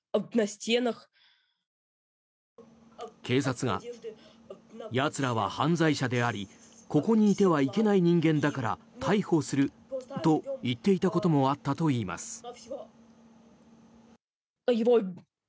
警察が、やつらは犯罪者でありここにいてはいけない人間だから逮捕すると言っていたこともあったといいます。